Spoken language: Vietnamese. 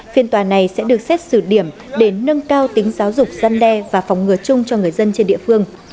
phiên tòa này sẽ được xét xử điểm để nâng cao tính giáo dục gian đe và phòng ngừa chung cho người dân trên địa phương